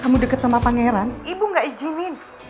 kamu deket sama pangeran ibu gak izinin